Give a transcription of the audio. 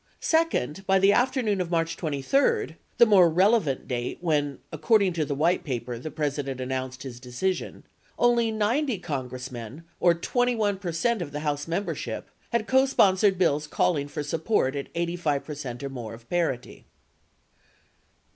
Second, by the after noon of March 23 (the more relevant date when, according to the White Paper, the President announced his decision), only 90 Con gressmen, or 21 percent of the House membership had cosponsored bills calling for support at 85 percent or more of parity.